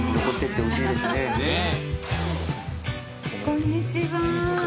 こんにちは。